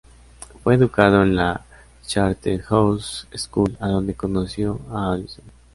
Fue educado en la Charterhouse School, donde conoció a Addison.